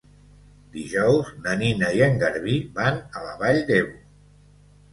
Dijous na Nina i en Garbí van a la Vall d'Ebo.